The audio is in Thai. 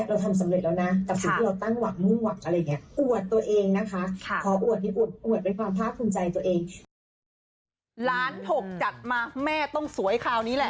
ล้านหกจัดมาแม่ต้องสวยข้าวนี้แหละ